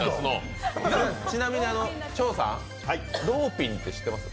ちなみに、張さん、ローピンって知ってます？